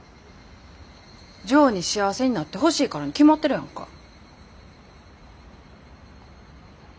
ジョーに幸せになってほしいからに決まってるやんか。